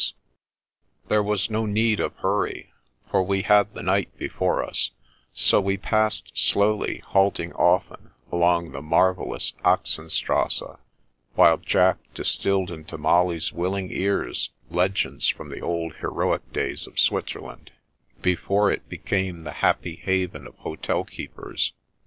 64 The Princess Passes There was no need to hurry, for we had the night before us, so we passed slowly, halting often, along the marvellous Axenstrasse, while Jack distilled into Molly's willing ears legends from the old heroic days of Switzerland, before it became the happy haven of hotel keepers.